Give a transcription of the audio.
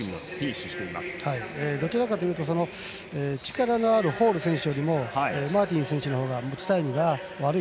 どちらかというと力のあるホール選手よりもマーティン選手のほうが持ちタイムが悪い。